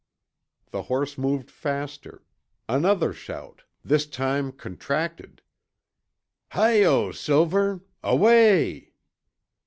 The horse moved faster. Another shout, this time contracted. "Hi Yo' Silver, Away!"